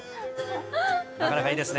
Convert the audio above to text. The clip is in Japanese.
なかなかいいですね。